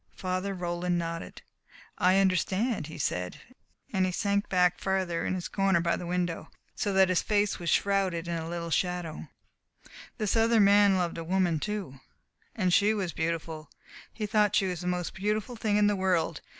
Father Roland nodded. "I understand," he said, and he sank back farther in his corner by the window, so that his face was shrouded a little in shadow. "This other man loved a woman, too. And she was beautiful. He thought she was the most beautiful thing in the world.